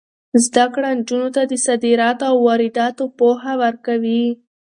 زده کړه نجونو ته د صادراتو او وارداتو پوهه ورکوي.